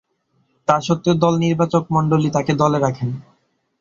তাস্বত্ত্বেও দল নির্বাচকমণ্ডলী তাকে দলে রাখেন।